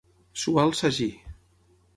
Suar el sagí.